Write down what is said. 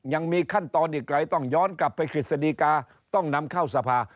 ยังมีขั้นตอนอีกไกลต้องย้อนกลับไปกฤษฎีกาต้องนำเข้าสภา